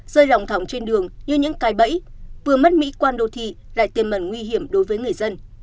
rơi lỏng thỏng trên đường như những cái bẫy vừa mất mỹ quan đô thị lại tìm ẩn nguy hiểm đối với người dân